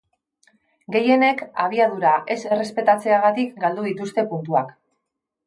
Gehienek abiadura ez errespetatzeagatik galdu dituzte puntuak.